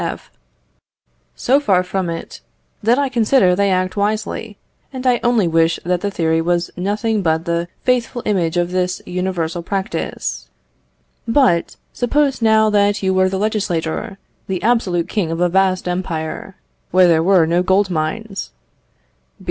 F. So far from it, that I consider they act wisely, and I only wish that the theory was nothing but the faithful image of this universal practice. But, suppose now that you were the legislator, the absolute king of a vast empire, where there were no gold mines.